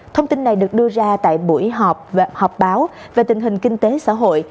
thông tin này được đưa ra tại buổi họp báo về tình hình kinh tế xã hội